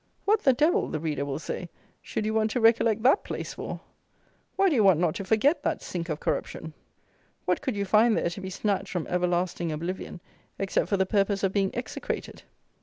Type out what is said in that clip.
"What the devil!" the reader will say, "should you want to recollect that place for? Why do you want not to forget that sink of corruption? What could you find there to be snatched from everlasting oblivion, except for the purpose of being execrated?"